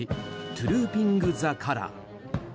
トゥルーピング・ザ・カラー。